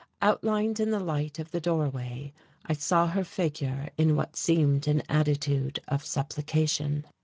Outlined in the light of the doorway I saw her figure in what seemed an attitude of supplication....